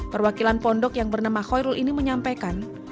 perwakilan pondok yang bernama khoirul ini menyampaikan